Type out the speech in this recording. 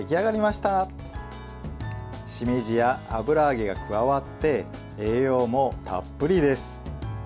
しめじや油揚げが加わって栄養もたっぷりです。